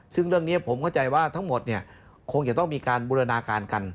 ซึ่งเรื่องนี้ผมเข้าใจว่าทั้งหมดเนี่ยคงจะต้องมีการบูรณาการกัน